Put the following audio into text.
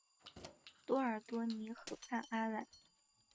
多尔多尼河畔阿莱。